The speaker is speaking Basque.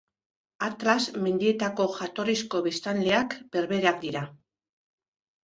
Atlas mendietako jatorrizko biztanleak berbereak dira.